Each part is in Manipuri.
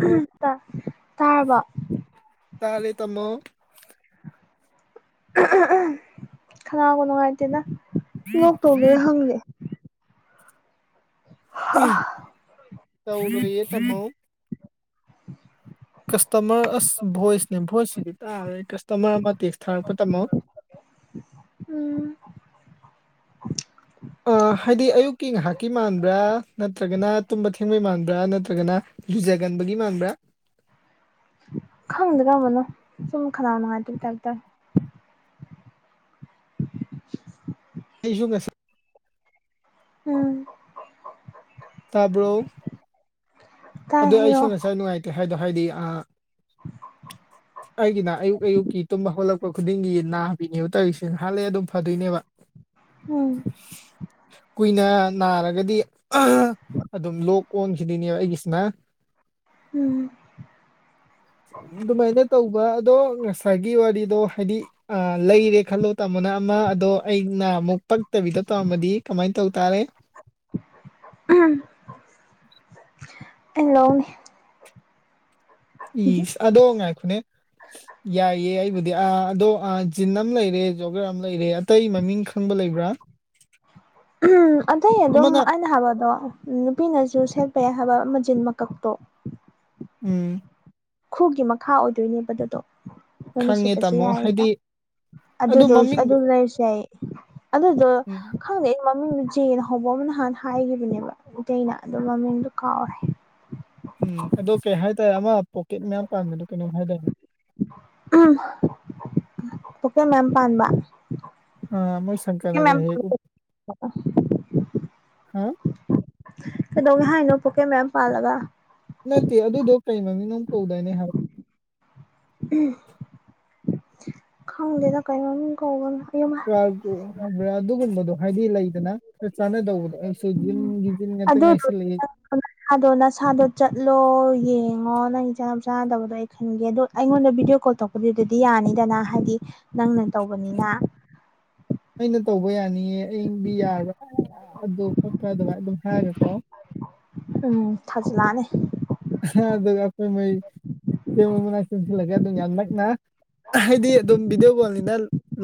ꯑꯣ ꯇꯥꯔꯕ ꯇꯥꯔꯦ ꯇꯥꯃꯣ ꯈꯅꯥꯒꯥ ꯅꯨꯡꯉꯥꯏꯇꯦꯗꯥ ꯂꯣꯛ ꯇꯧꯗꯣꯏꯔꯥ ꯈꯪꯗꯦ ꯇꯧꯗꯔꯤ ꯑꯦ ꯀꯁꯇꯃꯔ ꯑꯁ ꯚꯣꯏꯁꯅꯦ ꯚꯣꯏꯁꯁꯤꯗꯤ ꯇꯥ ꯀꯥꯁꯇꯃꯔ ꯑꯃꯥ ꯇꯦꯛꯁ ꯊꯥꯔꯛꯄ ꯇꯝꯃꯣ ꯎꯝ ꯑ ꯍꯥꯏꯗꯤ ꯑꯌꯨꯛꯀꯤ ꯉꯥꯏꯍꯥꯛꯀꯤ ꯃꯥꯟꯕ꯭ꯔꯥ ꯅꯠꯇ꯭ꯔꯒꯅ ꯇꯨꯝꯕ ꯊꯦꯡꯕꯩ ꯃꯥꯟꯕ꯭ꯔꯥ ꯅꯠꯇ꯭ꯔꯒꯅ ꯑꯦꯔꯨꯖꯒꯟꯕꯩꯒꯤ ꯃꯥꯟꯕ꯭ꯔꯥ ꯈꯪꯗꯦꯗꯥ ꯁꯨꯝ ꯈꯅꯥꯎ ꯅꯨꯡꯉꯥꯏꯇꯕ ꯇꯥꯏꯞ ꯇꯧꯏ [inaudible] ꯑꯩꯁꯨ ꯉꯁꯥꯏ ꯎꯝ ꯇꯥꯕ꯭ꯔꯣ ꯇꯥꯏ ꯑꯗꯣ ꯑꯩꯁꯨ ꯍꯥꯏꯔꯛꯑꯣ ꯉꯁꯥꯏ ꯅꯨꯡꯉꯥꯏꯇꯦ ꯍꯥꯏꯗꯣ ꯍꯥꯏꯗꯤ ꯑ ꯑꯩꯒꯤꯅ ꯑꯌꯨꯛ ꯑꯌꯨꯛꯀꯤ ꯇꯨꯝꯕꯥ ꯍꯧꯒꯠꯂꯛ ꯇꯨꯝꯕꯥ ꯍꯧꯒꯠꯂꯛꯄꯥ ꯈꯨꯗꯤꯡꯒꯤ ꯅꯕꯤꯅꯦꯕ ꯇꯥꯔꯤꯁꯦ ꯉꯥꯏꯍꯛ ꯂꯩꯔꯥ ꯑꯗꯨꯝ ꯐꯗꯣꯏꯅꯦꯕ ꯑꯝ ꯀꯨꯏꯅ ꯅꯥꯔꯒꯗꯤ ꯑꯗꯨꯝ ꯂꯣꯛ ꯑꯣꯟꯈꯤꯗꯣꯏꯅꯦꯕ ꯑꯩꯒꯤ [inaudible] ꯎꯝ ꯑꯗꯨꯃꯥꯏꯅ ꯇꯧꯕ ꯑꯗꯣ ꯉꯁꯥꯏꯒꯤ ꯋꯥꯔꯤꯗꯣ ꯍꯥꯏꯗꯤ ꯑ ꯂꯩꯔꯦ ꯈꯜꯂꯣ ꯇꯥꯃꯣꯅ ꯑꯃ ꯑꯗꯣ ꯑꯩꯅ ꯑꯃꯨꯛ ꯄꯛꯇꯕꯤꯗ ꯇꯧꯔꯝꯃꯗꯤ ꯀꯃꯥꯏ ꯇꯧ ꯇꯥꯔꯦ ꯎꯝ ꯍꯂꯣ ꯏꯁ ꯑꯗꯣ ꯉꯥꯏꯈꯣꯅꯦ [inaudible] ꯌꯥꯏꯌꯦ ꯑꯩꯕꯨꯗꯤ ꯑꯥ ꯑꯗꯣ ꯖꯤꯟ ꯑꯃ ꯂꯩꯔꯦ ꯖꯣꯒꯔ ꯑꯃ ꯂꯩꯔꯦ ꯑꯇꯩ ꯃꯃꯤꯡ ꯈꯪꯕ ꯂꯩꯕ꯭ꯔꯥ [inaudible] ꯎꯝ ꯑꯇꯩ ꯑꯗꯨꯝ ꯑꯃꯅ ꯑꯩꯅ ꯍꯥꯏꯕꯗꯣ ꯅꯨꯄꯤꯅꯁꯨ ꯁꯦꯠꯄ ꯌꯥꯏ ꯍꯥꯏꯕ ꯖꯤꯜ ꯃꯀꯛꯇꯣ ꯎꯝ ꯈꯨꯒꯤ ꯃꯈꯥ ꯑꯣꯏꯗꯣꯏꯅꯦꯕ ꯑꯗꯨꯗꯣ ꯅꯣꯏꯅ ꯈꯪꯉꯦ ꯁꯦꯠꯄꯁꯨ ꯇꯥꯃꯣ ꯌꯥꯏꯌꯦꯕ ꯍꯥꯏꯗꯤ ꯑꯗꯨꯗꯣ ꯑꯗꯨ ꯂꯩꯔꯁꯨ ꯌꯥꯏꯌꯦ ꯑꯗꯨꯗꯣ ꯎꯝ ꯈꯪꯗꯦ ꯑꯩ ꯃꯃꯤꯡꯗꯨ ꯖꯦꯅ ꯍꯧꯕ ꯑꯃꯅ ꯅꯍꯥꯟ ꯍꯥꯏꯈꯤꯕꯅꯦꯕ ꯏꯇꯩꯅ ꯑꯗꯨꯣ ꯃꯃꯤꯡꯗꯨꯣ ꯀꯥꯎꯔꯦ ꯎꯝ ꯑꯗꯣ ꯀꯩ ꯍꯥꯏꯇꯥꯔꯦ ꯑꯃ ꯄꯣꯛꯀꯦꯠ ꯃꯌꯥꯝ ꯄꯥꯟꯕꯗꯣ ꯀꯩꯅꯣꯝ ꯍꯥꯏꯗꯥꯏꯅꯦ ꯄꯣꯀꯦꯠ ꯃꯌꯥꯝ ꯄꯥꯟꯕ ꯑ ꯃꯣꯏ ꯄꯣꯀꯦꯠ ꯁꯪꯀꯔꯅꯥꯒ ꯃꯌꯥꯝ ꯍꯦꯛ ꯄꯥꯟꯕ ꯎꯞ ꯍꯥ ꯀꯩꯗꯧꯒꯦ ꯍꯥꯏꯅꯣ ꯄꯣꯀꯦꯠ ꯃꯌꯥꯝ ꯄꯥꯜꯂꯒ ꯅꯠꯇꯦ ꯑꯗꯨꯗꯣ ꯀꯩ ꯃꯃꯤꯡꯅꯣꯝ ꯀꯧꯗꯥꯏꯅꯦ ꯍꯥꯏ ꯈꯪꯗꯦꯗ ꯀꯩ ꯃꯃꯤꯡ ꯀꯧꯕꯅꯣ ꯑꯌꯣ [unintelligible] ꯑꯗꯨꯒꯨꯝꯕꯗꯣ ꯍꯥꯏꯗꯤ ꯂꯩꯗꯅ ꯆꯞ ꯆꯥꯟꯅꯗꯧꯕꯗꯣ ꯑꯩ [unintelligible] ꯖꯤꯟ ꯉꯥꯛꯇ ꯉꯥꯏꯁꯤꯜꯂꯦ ꯑꯗꯣ ꯅꯁꯥꯗꯣ ꯆꯠꯂꯣ ꯌꯦꯡꯉꯣ ꯅꯪ ꯆꯥꯅꯕ ꯆꯥꯅꯗꯕꯗꯣ ꯑꯩ ꯈꯟꯒꯦ ꯑꯗꯣ ꯑꯩꯉꯣꯟꯗ ꯚꯗꯤꯑꯣ ꯀꯣꯜ ꯇꯣꯛꯗꯨꯗꯗꯤ ꯌꯥꯅꯤꯗꯅ ꯍꯥꯏꯗꯤ ꯅꯪꯅ ꯇꯧꯕꯅꯤꯅ ꯑꯩꯅ ꯇꯧꯕ ꯌꯥꯅꯤꯡꯑꯦ ꯑꯪꯗꯤ ꯌꯥꯕ꯭ꯔꯥ ꯑꯗꯨ ꯈꯣꯠꯄ꯭ꯔꯥ ꯑꯗꯨꯃꯥꯏꯅ ꯑꯗꯨꯝ ꯍꯥꯏꯒꯦꯀꯣ ꯎꯝ ꯊꯥꯖꯜꯂꯑꯅꯦ ꯑꯗꯨꯒ ꯑꯩꯈꯣꯏ ꯃꯩ [unintelligible] ꯁꯤꯜꯂꯒꯦ ꯑꯗꯨꯝ ꯌꯥꯝ ꯅꯛꯅ ꯍꯥꯏꯗꯤ ꯑꯗꯨꯝ ꯚꯤꯗꯤꯑꯣ ꯀꯣꯜꯅꯤꯅ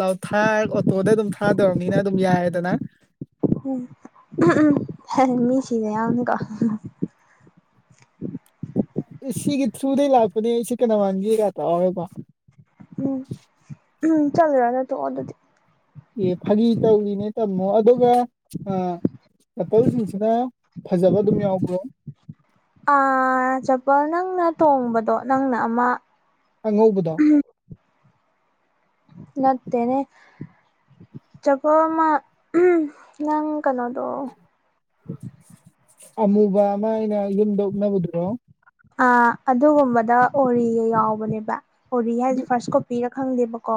ꯂꯥꯎꯠ ꯊꯥꯔ ꯑꯣꯇꯣꯗ ꯑꯗꯨꯝ ꯊꯥꯗꯧꯔꯕꯅꯤꯅ ꯑꯗꯨꯝ ꯌꯥꯏꯑꯦꯗꯅ ꯎꯝ ꯎ ꯃꯤ ꯁꯤꯕ ꯌꯥꯎꯅꯤꯀꯣ ꯑꯦ ꯁꯤꯒꯤ ꯊ꯭ꯔꯨꯗꯩ ꯂꯥꯛꯄꯅꯦ ꯑꯩ ꯁꯤ ꯀꯅꯥ ꯃꯒꯦꯒ ꯇꯧꯔꯕꯀꯣ ꯎꯝ ꯎꯝ ꯆꯜꯂꯨꯔꯅꯣ ꯇꯣꯛꯑꯣ ꯑꯗꯨꯗꯤ ꯑꯦ ꯐꯥꯒꯤ ꯇꯧꯔꯤꯅꯦ ꯇꯝꯃꯣ ꯑꯗꯨꯒ ꯑ ꯑꯇꯩꯁꯤꯡꯁꯤꯅ ꯐꯖꯕ ꯑꯗꯨꯝ ꯌꯥꯎꯕ꯭ꯔꯣ ꯑ ꯆꯄꯜ ꯅꯪꯅ ꯇꯣꯡꯡꯕꯗꯣ ꯅꯪꯅ ꯑꯃ ꯑꯉꯧꯕꯗꯣ ꯅꯠꯇꯅꯦ ꯆꯄꯜ ꯑꯃ ꯅꯪ ꯀꯩꯅꯣꯗꯣ ꯑꯃꯨꯕ ꯑꯃ ꯑꯩꯅ ꯌꯨꯝꯗꯥ ꯑꯨꯞꯅꯕꯗꯨꯔꯣ ꯑ ꯑꯗꯨꯒꯨꯝꯕꯗ ꯑꯣꯔꯤꯒ ꯌꯥꯎꯕꯅꯦꯕ ꯑꯣꯔꯤ ꯍꯥꯏꯁꯦ ꯑꯗꯨ ꯐꯥꯔꯁ ꯀꯣꯄꯤ ꯔꯛ ꯈꯪꯗꯦꯕꯀꯣ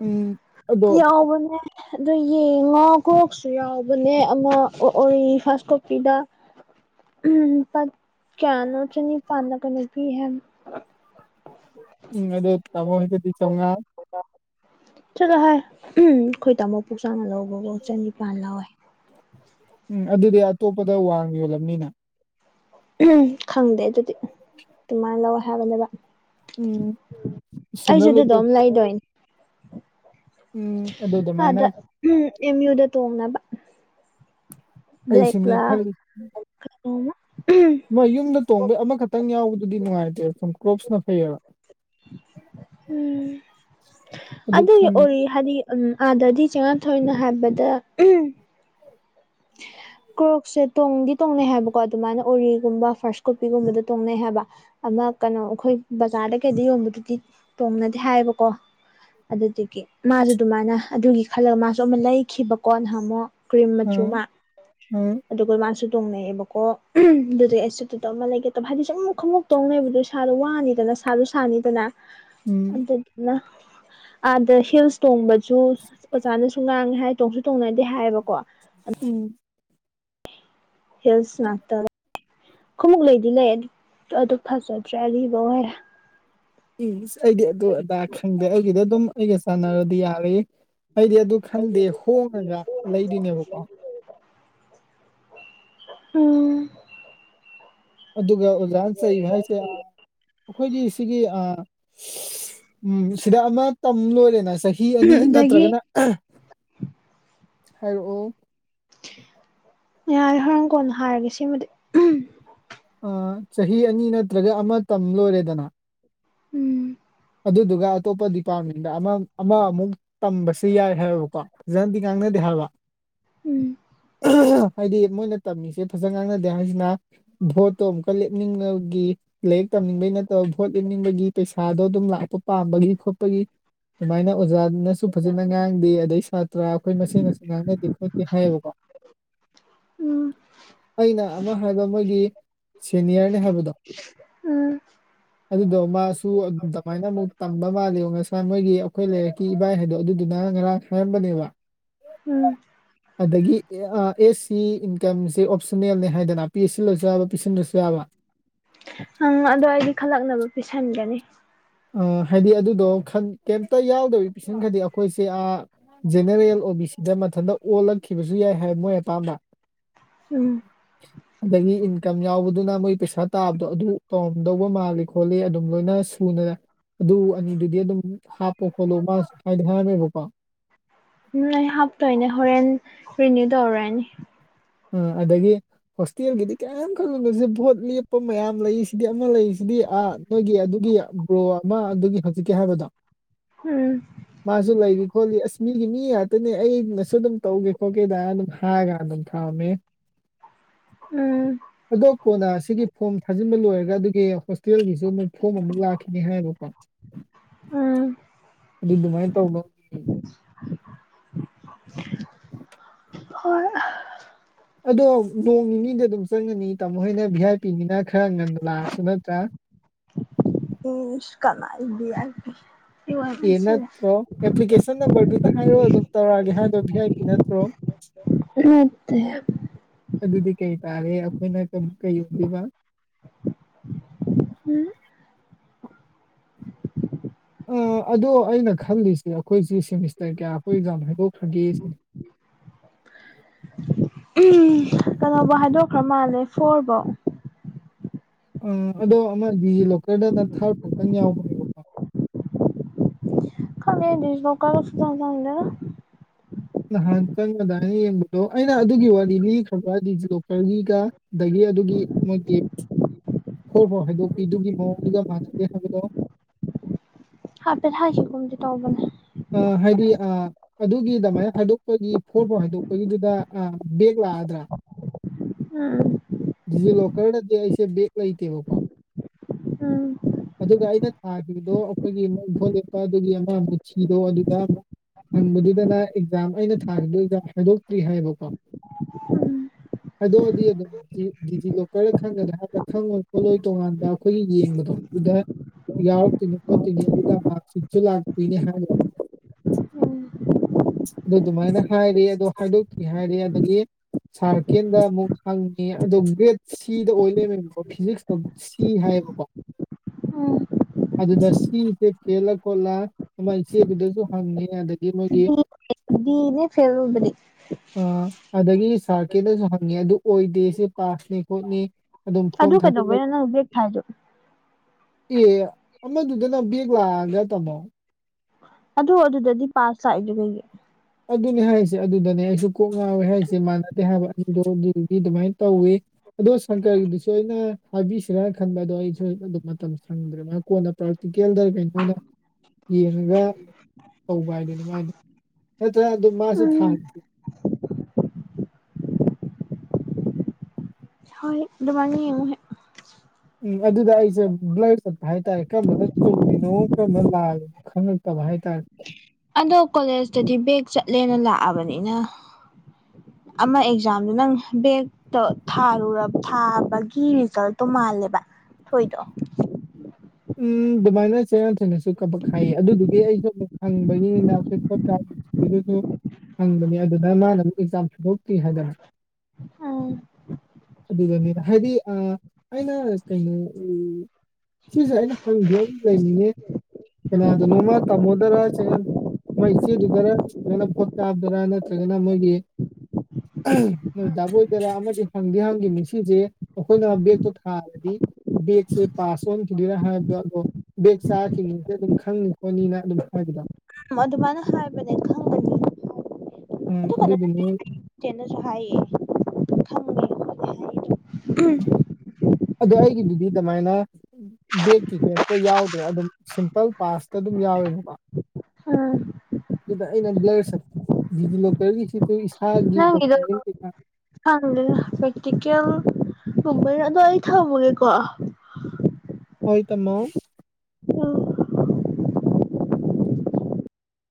ꯎꯝ ꯑꯗꯣ ꯌꯥꯎꯕꯅꯦ ꯑꯗꯨꯣ ꯌꯦꯡꯉꯣ ꯀ꯭ꯔꯣꯛꯁꯨ ꯌꯥꯎꯕꯅꯦ ꯑꯃ ꯑꯣꯔꯤ ꯐꯥꯔꯁ ꯀꯣꯄꯤꯗ ꯎꯝ ꯄ ꯀꯌꯥꯅꯣ ꯆꯅꯤꯄꯥꯟꯔ ꯀꯅꯤꯅꯣ ꯄꯤ ꯍꯥꯏꯕꯅꯦ ꯎꯝ ꯑꯗꯣ ꯇꯃꯣ ꯍꯗꯗꯤ ꯆꯧꯉꯥ ꯆꯂꯣꯍꯥꯏ ꯎꯝ ꯑꯩꯈꯣꯏ ꯇꯥꯃꯣ ꯄꯣꯛ ꯆꯥꯎꯅ ꯂꯧꯕꯐꯧ ꯆꯅꯤꯄꯥꯟ ꯂꯧꯍꯧꯋꯦ ꯎꯝ ꯑꯗꯨꯗꯤ ꯑꯇꯣꯞꯄꯗ ꯋꯥꯡꯅ ꯌꯣꯜꯂꯝꯅꯤꯅꯦ ꯎ ꯈꯪꯗꯦ ꯑꯗꯨꯗꯤ ꯑꯗꯨꯃꯥꯏꯅ ꯂꯧꯋꯦ ꯍꯥꯏꯕꯅꯦꯕ ꯎꯝ ꯑꯩꯁꯨ ꯁꯦꯟꯗꯜ ꯑꯗꯨ ꯎꯞꯄ ꯗꯝ ꯂꯥꯏꯗꯣꯏꯅꯤ ꯎꯝ ꯑꯗꯨ ꯑꯗꯨꯃꯥꯏꯅ ꯎꯝ ꯑꯦꯝ ꯌꯨꯗ ꯇꯣꯡꯅꯕ ꯑꯩꯁꯤꯅꯦ ꯕ꯭ꯂꯦꯛꯂꯥ ꯈꯜꯂꯤ ꯀꯩꯅꯣꯝꯃ ꯃꯣꯢ ꯌꯨꯝꯗ ꯇꯣꯡꯕꯩ ꯑꯃꯈꯛꯇꯪ ꯌꯥꯎꯕꯗꯨꯗꯤ ꯅꯨꯡꯉꯥꯏꯇꯦ ꯁꯨꯝ ꯀ꯭ꯔꯣꯛꯁꯅ ꯐꯩꯌꯦꯕ ꯎꯝ ꯑꯗꯨ ꯑꯣꯔꯤ ꯍꯥꯏꯗꯤ ꯎꯝ ꯑꯥꯗꯗꯤ ꯆꯦ ꯉꯥꯟꯊꯣꯏꯅ ꯍꯥꯏꯕꯗ [inaudible] ꯀ꯭ꯔꯣꯛꯁꯦ ꯇꯣꯡꯗꯤ ꯇꯣꯡꯅꯩ ꯍꯥꯏꯕꯀꯣ ꯑꯗꯨꯃꯥꯏꯅ ꯎꯔꯤꯒꯨꯝꯕ ꯐꯥꯔꯁ ꯀꯣꯄꯤꯒꯨꯝꯕꯗ ꯇꯣꯡꯅꯩ ꯍꯥꯏꯕ ꯑꯃ ꯀꯩꯅꯣ ꯑꯩꯈꯣꯏ ꯕꯖꯥꯔꯗ ꯀꯩꯗ ꯌꯣꯟꯕꯗꯨꯗꯤ ꯇꯣꯡꯅꯗꯦ ꯍꯥꯏꯌꯦꯕꯀꯣ ꯑꯗꯨꯗꯒꯤ ꯃꯥꯖꯨ ꯑꯗꯨꯃꯥꯏꯅ ꯑꯗꯨꯒꯤ ꯈꯜꯂꯒ ꯃꯥꯁꯨ ꯑꯃ ꯂꯩꯈꯤꯕꯀꯣ ꯅꯍꯥꯃꯣꯛ ꯀ꯭ꯔꯤꯝ ꯖꯨꯃꯥ ꯎꯝ ꯑꯗꯨꯒ ꯃꯥꯁꯨ ꯇꯣꯡꯅꯩꯑꯌꯦꯕꯀꯣ ꯑꯗꯨꯗꯩ ꯑꯩꯁꯨ ꯇꯨꯗꫭ ꯑꯃ ꯂꯩꯒꯦ ꯇꯧꯕ ꯍꯥꯏꯗꯤ ꯁꯨꯝ ꯈꯨꯎꯛ ꯇꯣꯡꯅꯩꯕꯗꯨ ꯏꯁꯥ ꯋꯥꯅꯤꯗꯅ ꯁꯥꯁꯨ ꯁꯥꯅꯤꯗꯅ ꯎꯝ ꯑꯗꯨꯗꯨꯅ ꯑꯥꯗ ꯍꯤꯜꯁ ꯇꯣꯡꯕꯖꯨ ꯑꯣꯖꯥꯅꯁꯨ ꯉꯥꯡꯉꯦ ꯍꯥꯏ ꯇꯣꯡꯁꯨ ꯇꯣꯡꯅꯗꯦ ꯍꯥꯏꯕꯀꯣ ꯎꯝ ꯍꯤꯜꯁ ꯉꯥꯛꯇ ꯂꯩ ꯈꯃꯨꯛ ꯂꯩꯗꯤ ꯂꯩ ꯑꯗꯨ ꯐꯖꯗ꯭ꯔꯦ ꯑꯔꯤꯕ ꯑꯣꯏꯔꯦ ꯏꯁ ꯑꯩꯗꯤ ꯑꯗꯨ ꯑꯗꯥ ꯈꯪꯗꯦ ꯑꯩꯒꯤꯗꯤ ꯑꯗꯨꯝ ꯑꯩꯒ ꯆꯥꯟꯅꯔꯗꯤ ꯌꯥꯔ ꯑꯩꯗꯤ ꯑꯗꯨ ꯈꯪꯗꯦ ꯍꯣꯡꯉꯒ ꯂꯩꯗꫭꯏꯅꯦꯕꯀꯣ ꯎꯝ ꯑꯗꯨꯒ‌ ꯑꫭꯖꯥꯅ ꯆꯩꯕ ꯍꯥꯏꯁꯦ ꯑꯩꯈꯣꯏꯒꯤ ꯁꯤꯒꯤ ꯑ ꯎꯝ ꯁꯤꯗ ꯑꯃ ꯇꯝ ꯂꯣꯏꯔꯦꯅ ꯆꯍꯤ ꯑꯅꯤ ꯑꯗꯒꯤ ꯅꯠꯇ꯭ꯔꯒꯅ ꯍꯥꯏꯔꯛꯑꯣ ꯌꯥꯔꯦ ꯍꯣꯔꯥꯡ ꯀꯣꯟꯅ ꯍꯥꯏꯔꯒꯦ ꯁꯤꯃꯗꯤ ꯑ ꯆꯍꯤ ꯑꯅꯤ ꯅꯠꯇ꯭ꯔꯒ ꯑꯃ ꯇꯝ ꯂꯣꯏꯔꯦꯗꯅ ꯎꯝ ꯑꯗꯨꯗꯨꯒ ꯑꯇꯣꯞꯄ ꯗꯤꯄꯥꯔꯠꯃꯦꯟꯗ ꯑꯃ ꯑꯃ ꯑꯃꯨꯛ ꯇꯝꯕꯁꯨ ꯌꯥꯏ ꯍꯥꯏꯕꯀꯣ ꯐꯖꯅꯗꯤ ꯉꯥꯡꯅꯗꯦ ꯍꯥꯏꯕ ꯎꯝ ꯍꯥꯏꯗꯤ ꯃꯣꯏꯅ ꯇꯝꯃꯤꯖꯦ ꯐꯖ ꯉꯥꯡꯅꯗꯦ ꯍꯥꯏꯖꯤꯅ ꯚꯣꯠꯇꯣ ꯑꯃꯨꯛꯀ ꯂꯦꯞꯅꯤꯡꯉꯒꯤ ꯂꯥꯏꯔꯤꯛ ꯇꯝꯅꯤꯡꯕꯩ ꯅꯠꯇꯕ ꯚꯣꯠ ꯂꯦꯞꯅꯤꯡꯕꯒꯤ ꯄꯩꯁꯥꯗꯣ ꯑꯗꯨꯝ ꯂꯥꯛꯄ ꯄꯥꯝꯕꯒꯤ ꯈꯣꯠꯄꯒꯤ ꯑꯗꯨꯨꯃꯥꯏꯅ ꯑꯣꯖꯥꯅꯁꯨ ꯐꯖꯅ ꯉꯥꯡꯗꯦ ꯑꯗꯩ ꯁꯥꯇ꯭ꯔ ꯑꯩꯈꯣꯏ ꯃꯁꯦꯅꯁꯨ ꯉꯥꯡꯅꯗꯦ ꯈꯣꯠꯇꯦ ꯍꯥꯏꯌꯦꯕꯀꯣ ꯑꯩꯅ ꯑꯃ ꯍꯥꯏꯕ ꯃꯣꯏꯒꯤ ꯁꯦꯅꯤꯌꯔꯅꯤ ꯍꯥꯏꯕꯗꯣ ꯎꯝ ꯑꯗꯨꯗꯣ ꯃꯥꯁꯨ ꯁꯨꯃꯥꯏꯅ ꯑꯃꯨꯛ ꯇꯝꯕ ꯃꯥꯜꯂꯤꯕ ꯉꯁꯥꯏ ꯃꯣꯏꯒꯤ ꯑꯩꯈꯣꯏ ꯂꯩꯔꯛꯀꯤ ꯏꯕꯥꯏ ꯍꯥꯏꯗꯣ ꯑꯗꯨꯗꯨꯅ ꯉꯔꯥꯡ ꯍꯥꯏꯔꯝꯕꯅꯦꯕ ꯎꯝ ꯑꯗꯒꯤ ꯑꯦꯁ ꯁꯤ ꯏꯟꯀꯝꯁꯦ ꯑꯣꯞꯁꯟꯅꯦꯜꯅꯦ ꯍꯥꯏꯗꯅ ꯄꯤ ꯁꯤꯜꯂꯁꯨ ꯌꯥꯕ ꯄꯤꯁꯤꯟꯗ꯭ꯔꯁꯨ ꯌꯥꯕ ꯑꯪ ꯑꯗꯣ ꯑꯩꯗꯤ ꯈꯜꯂꯛꯅꯕ ꯄꯤꯁꯟꯒꯅꯤ ꯑ ꯍꯥꯏꯗꯤ ꯑꯗꯨꯗꯣ ꯀꯩꯝꯇ ꯌꯥꯎꯗꯕꯤ ꯄꯤꯁꯤꯟꯈꯗꯤ ꯑꯩꯈꯣꯏꯁꯦ ꯑꯥ ꯖꯦꯅꯦꯔꯦꯜ ꯑꯣ ꯕꯤ ꯁꯤꯗ ꯃꯊꯟꯇ ꯑꯣꯜꯂꯛꯈꯤꯕꯖꯨ ꯌꯥꯏ ꯍꯥꯏ ꯃꯣꯏ ꯑꯄꯥꯝꯕ ꯎꯝ ꯑꯗꯒꯤ ꯏꯟꯀꯝ ꯌꯥꯎꯕꯗꯨꯅ ꯃꯣꯏ ꯄꯩꯁꯥ ꯇꯥꯕꯗꯣ ꯑꯗꯨ ꯇꯧꯔꯝꯗꯧꯕ ꯃꯥꯜꯂꯤ ꯈꯣꯠꯂꯤ ꯑꯗꯨꯝ ꯂꯣꯏꯅ ꯁꯨꯅ ꯑꯗꯨ ꯑꯅꯤꯗꯨꯗꯤ ꯑꯗꯨꯝ ꯍꯥꯞꯄꯣ ꯈꯣꯠꯂꯣ ꯃꯥꯁꯨ ꯍꯥꯏꯗꯤ ꯍꯥꯏꯔꯝꯃꯦꯕꯀꯣ ꯎꯝ ꯍꯥꯞꯇꯣꯏꯅꯦ ꯍꯣꯔꯦꯟ ꯔꯤꯅꯤꯎ ꯇꯧꯔꯨꯔꯅꯤ ꯎꯝ ꯑꯗꯒꯤ ꯍꯣꯁꯇꯦꯜꯒꯤꯗꯤ ꯀ꯭ꯌꯝ ꯈꯟꯂꯨꯅꯣꯖꯦ ꯚꯣꯠ ꯂꯦꯞꯄ ꯃꯌꯥꯝ ꯂꯩ ꯁꯤꯗꯤ ꯑꯃ ꯂꯩ ꯁꯤꯗꯤ ꯑ ꯅꯣꯏꯒꯤ ꯑꯗꯨꯒꯤ ꯕ꯭ꯔꯣ ꯑꯃ ꯑꯗꯨꯒꯤ ꯍꯧꯖꯤꯛꯀꯤ ꯍꯥꯏꯕꯗꯣ ꯎꯝ ꯃꯥꯁꯨ ꯂꯩꯔꯤ ꯈꯣꯠꯂꯤ ꯑꯁ ꯃꯤꯒꯤ ꯃꯤ ꯉꯥꯛꯇꯅꯦ ꯑꯩꯅꯁꯨ ꯑꯗꯨꯝ ꯇꯧꯒꯦ ꯈꯣꯠꯀꯦꯗ ꯑꯗꯨꯝ ꯍꯥꯏꯔꯒ ꯑꯗꯨꯝ ꯊꯃꯦ ꯎꯝ ꯀꯣꯟꯅ ꯑꯁꯤꯒꯤ ꯐꯣꯝ ꯊꯥꯖꯤꯟꯕ ꯂꯣꯏꯔꯒ ꯑꯗꯨꯒꯤ ꯍꯣꯁꯇꯦꯜꯒꯤꯖꯨ ꯑꯃꯨꯛ ꯐꯣꯝ ꯑꯃꯨꯛ ꯂꯥꯛꯈꯤꯅꯤ ꯍꯥꯏꯌꯦꯕꯀꯣ ꯎꯝ ꯑꯗꯨ ꯑꯗꯨꯃꯥꯏꯅ ꯇꯧꯕ ꯍꯣꯏ ꯑꯗꯣ ꯅꯣꯡ ꯅꯤꯅꯤꯗꯤ ꯑꯗꯨꯝ ꯆꯪꯉꯅꯤ ꯇꯥꯃꯣ ꯍꯣꯏꯅ ꯚꯤ ꯑꯥꯏ ꯄꯤꯅꯤꯅ ꯈꯔ ꯉꯟꯅ ꯂꯥꯛꯑꯁꯨ ꯅꯠꯇ꯭ꯔꯥ ꯎꯝ ꯀꯗꯥꯏ ꯕꯤꯌꯥꯏꯄꯤ ꯑꯦ ꯅꯠꯇ꯭ꯔꯣ ꯑꯦꯄ꯭ꯂꯤꯀꯦꯁꯟ ꯅꯝꯕꯔꯗꯨꯗ ꯍꯥꯏꯔꯣ ꯑꯗꯨꯝ ꯇꯧꯔꯛꯑꯒꯦ ꯍꯥꯏꯗꯣ ꯚꯤ ꯑꯥꯏ ꯄꯤ ꯅꯠꯇ꯭ꯔꯣ ꯅꯠꯇꯦ ꯑꯗꯨꯗꯤ ꯀꯩ ꯇꯥꯔꯦ ꯑꯩꯈꯣꯏꯅ ꯀꯩ ꯑꯣꯏꯗꯣꯏꯕ ꯎꯝ ꯑꯥ ꯑꯗꯣ ꯑꯩꯅ ꯈꯜꯂꯤꯁꯦ ꯑꯩꯈꯣꯏꯁꯤ ꯁꯦꯃꯤꯁꯇꯔ ꯀꯌꯥ ꯑꯩꯈꯣꯏ ꯑꯦꯛꯖꯥꯝ ꯍꯥꯏꯗꯣꯛꯈ꯭ꯔꯒꯦ ꯁꯤꯅꯤ ꯎꯝ ꯀꯩꯅꯣꯐꯥꯎ ꯍꯥꯏꯗꯣꯛꯈ꯭ꯔ ꯃꯥꯜꯂꯦ ꯐꯣꯔꯕꯧ ꯑꯥ ꯑꯗꯣ ꯑꯃꯗꯤ ꯂꯣꯀꯔꯗ ꯊꯥꯔꯐꯥꯎꯇꯪ ꯌꯥꯎꯕꯅꯦꯕꯀꯣ ꯈꯪꯗꯦ ꯗꯤꯖꯤꯂꯣꯀꯔꯒ ꯁꯨꯛꯆꯪ ꯆꯪꯗꯦꯗ ꯅꯍꯥꯟ ꯆꯪꯉꯗꯥꯏꯅ ꯌꯦꯡꯕꯗꯣ ꯑꯩꯅ ꯑꯗꯨꯒꯤ ꯋꯥꯔꯤ ꯂꯤꯈ꯭ꯔꯕ ꯗꯤꯖꯤ ꯂꯣꯀꯔꯒꯤꯒ ꯑꯗꯒꯤ ꯑꯗꯨꯒꯤ ꯃꯣꯏꯒꯤ [unintelligible] ꯐꯔꯣ ꯐꯣꯔ ꯍꯩꯗꯣꯛꯄꯤ ꯑꯗꯨꯒꯤ ꯃꯑꯣꯡꯗꯨꯒ ꯃꯥꯟꯅꯗꯦ ꯍꯥꯏꯕꯗꯣ ꯍꯥꯏꯐꯦꯠ ꯍꯥꯏꯈꯤꯒꯨꯝꯗꯤ ꯇꯧꯕꯅꯦ ꯑꯥ ꯍꯥꯏꯗꯤ ꯑꯥ ꯑꯗꯨꯒꯤ ꯑꯗꯨꯃꯥꯏꯅ ꯍꯥꯏꯗꯣꯛꯄꯒꯤ ꯐꯣꯔ ꯐꯥꯎ ꯍꯥꯏꯗꯣꯛꯄꯒꯤꯗꯨꯗ ꯑꯥ ꯕꯦꯛ ꯂꯥꯛꯑꯗ꯭ꯔꯥ ꯎꯝ ꯗꯤꯖꯤꯂꯣꯀꯔꯗꯗꯤ ꯑꯩꯁꯦ ꯕꯦꯒ ꯂꯩꯇꯦꯕꯀꯣ ꯎꯝ ꯑꯗꯨꯒ ꯑꯩꯅ ꯊꯥꯈꯤꯕꯗꯣ ꯑꯩꯈꯣꯏꯒꯤ ꯑꯃꯨꯛ ꯚꯣꯂꯦꯞꯄ ꯑꯗꯨꯒꯤ ꯑꯃ ꯃꯨꯊꯤꯗꯣ ꯑꯗꯨꯒ ꯑꯃꯨꯛ ꯍꯪꯕꯗꯨꯗꯅ ꯑꯦꯛꯖꯥꯝ ꯑꯩꯅ ꯊꯥꯈꯤꯕꯗ ꯑꯦꯖꯥꯝ ꯍꯥꯏꯗꯣꯛꯇ꯭ꯔꯤ ꯍꯥꯏꯌꯦꯕꯀꯣ ꯎꯝ ꯍꯥꯏꯗꯣꯛ ꯑꯗꯤ ꯑꯗꯨꯝ ꯗꯤꯖꯤꯂꯣꯀꯔꯗ ꯈꯪꯒꯗ꯭ꯔ ꯍꯥꯏꯕꯗ ꯈꯪꯉꯣꯏ ꯈꯣꯠꯂꯣꯏ ꯇꯣꯉꯥꯟꯕ ꯑꯩꯈꯣꯏꯒꯤ ꯌꯦꯡꯕꯗꯣ ꯑꯗꯨꯗ ꯌꯥꯎꯔꯛꯇꯣꯏꯅꯤ ꯈꯣꯠꯇꯣꯏꯅꯤ ꯑꯗꯨꯒ ꯃꯥꯔꯛꯁꯤꯁꯨ ꯂꯥꯛꯇꯣꯏꯅꯦ ꯍꯥꯏꯕ ꯑꯗꯨ ꯑꯗꯨꯃꯥꯏꯅ ꯍꯥꯏꯔꯦ ꯑꯗꯣ ꯍꯥꯏꯗꯣꯛꯇꯔꯤ ꯍꯥꯏꯔꯦ ꯑꯗꯒꯤ ꯁꯥꯔꯀꯦꯟꯗ ꯑꯃꯨꯛ ꯍꯪꯉꯦ ꯑꯗꯣ ꯒ꯭ꯔꯦꯗ ꯁꯤꯗ ꯑꯣꯏ ꯂꯩꯔꯝꯃꯦꯕꯀꯣ ꯐꯤꯖꯤꯛꯁꯇ ꯁꯤ ꯍꯥꯏꯌꯦꯕꯀꯣ ꯎꯝ ꯑꯗꯨꯗ ꯁꯤꯖꯦ ꯐꯦꯜꯂ ꯈꯣꯠꯂ ꯑꯗꯨꯃꯥꯏ ꯆꯦꯗꯨꯗꯖꯨ ꯍꯪꯉꯦ ꯑꯗꯒꯤ ꯃꯣꯏꯒꯤ ꯎꯝ ꯗꯤꯅꯦ ꯐꯦꯜ ꯑꯣꯏꯕꯗꯤ ꯑꯥ ꯑꯗꯒꯤ ꯁꯥꯔꯀꯦꯗꯁꯨ ꯍꯪꯉꯦ ꯑꯗꯨ ꯑꯣꯏꯗꯦ ꯁꯤ ꯄꯥꯁꯅꯤ ꯈꯣꯠꯅꯤ ꯑꯗꯨꯝ ꯐꯣꯝ ꯑꯗꯨ ꯊꯥꯖꯤꯟꯕꯩ ꯀꯩꯗꯧꯕꯩꯅꯣ ꯅꯪ ꯕꯦꯛ ꯊꯥꯏꯗꯣ ꯑꯦ ꯑꯃꯗꯨꯗꯅ ꯕꯦꯛ ꯂꯥꯛꯑꯒ ꯇꯥꯃꯣ ꯑꯗꯣ ꯑꯗꯨꯗꯗꯤ ꯄꯥꯁ ꯂꯥꯛꯏꯗꯨ ꯀꯩꯒꯤ ꯑꯗꯨꯅꯦ ꯍꯥꯏꯁꯦ ꯑꯗꯨꯗꯅꯦ ꯑꯩꯁꯨ ꯀꯣꯛ ꯉꯥꯎꯋꯦ ꯍꯥꯏꯔꯤꯁꯦ ꯃꯥꯟꯅꯗꯦ ꯍꯥꯏꯕ ꯑꯗꯨꯗꯣ ꯑꯗꯨꯗꯤ ꯑꯗꯨꯃꯥꯏꯅ ꯇꯧꯋꯤ ꯑꯗꯣ ꯁꯪꯀꯔꯒꯤꯗꯨꯁꯨ ꯑꯩꯅ ꯍꯥꯏꯕꯤꯁꯤꯔꯥꯅ ꯈꯟꯕ ꯑꯗꯣ ꯑꯩꯁꯨ ꯑꯗꯨꯝ ꯃꯇꯝ ꯁꯪꯗ꯭ꯔꯦ ꯃꯥ ꯀꯣꯟꯅ ꯄ꯭ꯔꯥꯏꯌꯣꯔꯤ ꯋꯤꯀꯦꯜꯗꯔ ꯀꯩꯅꯣ ꯑꯣꯏꯅ ꯌꯦꯡꯉꯒ ꯇꯧꯕ ꯍꯥꯏꯗꯨꯅꯤ ꯃꯥꯥꯏꯗꯣ ꯅꯠꯇꯔ ꯑꯗꯨꯝ ꯃꯥꯖꯨ ꯃꯥꯁꯨ ꯎꯝ ꯊꯥꯁꯤ ꯍꯣꯏ ꯑꯗꯨꯃꯥꯏꯅ ꯌꯦꯡꯉꯨ ꯍꯦꯛ ꯎꯝ ꯑꯗꯨꯗ ꯑꯩꯁꯦ ꯕꯂꯥꯔ ꯆꯠꯄ ꯍꯥꯏꯇꯥꯔꯦ ꯀꯔꯝꯕꯅ ꯆꯨꯝꯃꯤꯅꯣ ꯀꯔꯝꯕꯅ ꯂꯥꯛꯜꯂꯤꯅꯣ꯫ ꯈꯪꯉꯥꯛꯇꯕ ꯍꯥꯏꯇꯔꯦ꯫ ꯑꯗꯣ ꯀꯣꯂꯦꯖꯇꯗꯤ ꯕꯦꯒ ꯆꯠꯂꯦꯅ ꯂꯥꯛꯑꯕꯅꯤꯅ꯫ ꯑꯃ ꯑꯦꯛꯖꯥꯝꯗꯨ ꯅꯪ ꯕꯦꯛ ꯊꯥꯔꯨ ꯊꯥꯕꯒꯤ ꯔꯤꯖꯜꯇꯣ ꯃꯥꯜꯂꯦꯕ ꯊꯣꯏꯗꯣ꯫ ꯎꯝ ꯑꯗꯨꯃꯥꯏꯅ ꯆꯦ ꯉꯥꯟꯊꯣꯏꯅꯁꯨ ꯀꯕꯛ ꯈꯥꯏꯌꯦ ꯑꯗꯨꯗꯨꯒꯤ ꯑꯩꯁꯨ ꯍꯪꯕꯒꯤꯅꯤꯅ ꯑꯈꯣꯏ ꯕꯣꯠ [unintelligible] ꯍꯪꯕꯅꯦ ꯑꯗꯨꯗ ꯃꯥꯅ ꯑꯃꯨꯛ ꯑꯦꯛꯖꯥꯝ ꯁꯨꯗꯣꯛꯇꯔꯤ ꯍꯥꯏꯗꯅ ꯑꯥ꯫ ꯑꯗꯨꯗꯅꯤꯅ ꯍꯥꯏꯗꯤ ꯑ ꯑꯩꯅ ꯀꯩꯅꯣ ꯁꯤꯁꯦ ꯑꯩꯅ ꯐꯪꯗ ꯂꯩꯔꯤꯅꯦ ꯀꯅꯥꯗꯅꯣꯃ ꯇꯥꯝꯃꯣꯗꯔꯥ ꯆꯦꯉꯥꯟ ꯃꯣꯏ ꯏꯆꯦꯗꯨꯗꯔ ꯅꯠꯇ꯭ꯔꯒꯅ ꯚꯣꯠ ꯀꯥꯕꯗꯔ ꯅꯠꯇ꯭ꯔꯒꯅ ꯃꯣꯏꯒꯤ ꯗꯥꯥꯥ ꯥꯕꯣꯏꯗꯔꯥ ꯑꯃꯗꯤ ꯍꯪꯗꯤ ꯍꯪꯒꯤꯃꯤ ꯁꯤꯁꯦ ꯑꯩꯈꯣꯏꯅ ꯕꯦꯒꯇꯣ ꯊꯥꯔꯗꯤ ꯕꯦꯒꯁꯦ ꯄꯁ ꯆꯣꯟꯈꯤꯗꯣꯏꯔꯥ ꯍꯥꯏꯕꯗꯣ ꯑꯗꯣ ꯕꯦꯛ ꯆꯥꯈꯤꯕꯅꯤꯁꯦ ꯑꯗꯨꯝ ꯈꯪꯅꯤ ꯈꯣꯠꯅꯤꯅ ꯑꯗꯨꯝ ꯍꯥꯏꯕꯗꯣ ꯎꯝ ꯑꯗꯨꯃꯥꯏꯅ ꯍꯥꯏꯕꯅꯤ ꯈꯪꯗ ꯎꯝ ꯑꯗꯨꯒꯅꯦ ꯇꯦꯅꯁꯨ ꯍꯥꯏꯌꯦ ꯈꯪꯏ ꯍꯥꯏ ꯑꯗꯣ ꯑꯩꯒꯤꯗꯨꯗꯤ ꯀꯃꯥꯏꯅ ꯕꯦꯛꯀꯤ ꯀꯩꯝꯇ ꯌꯥꯎꯗ꯭ꯔꯦ ꯑꯗꯨꯝ ꯁꯤꯝꯄꯜ ꯄꯥꯁꯇ ꯑꯗꯨꯝ ꯌꯥꯎꯋꯦꯕꯀꯣ꯫ ꯍꯥ꯫ ꯑꯗꯨꯗ ꯑꯩꯅ ꯕꯂ꯭ꯔ ꯆꯥꯠꯄ ꯗꯤꯖꯤꯂꯣꯀꯔꯒꯤꯁꯤꯁꯨ ꯏꯁꯥꯒꯤ ꯗꯣꯀꯨꯃꯦꯟ ꯀꯩꯀ ꯈꯪꯗꯦꯗ ꯄ꯭ꯔꯦꯛꯇꯤꯀꯦꯜꯒꯨꯝꯕꯩꯔ ꯑꯗꯣ ꯑꯩ ꯊꯝꯃꯒꯦꯀꯣ꯫ ꯍꯣꯏ ꯇꯃꯣ꯫ [unintelligible]